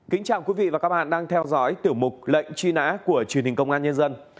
kính chào quý vị và các bạn đang theo dõi tiểu mục lệnh truy nã của truyền hình công an nhân dân